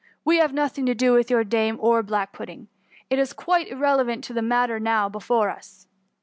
We have nothing to do with your dame or the black pudding ; it is quite irrelevant to the matter now before us.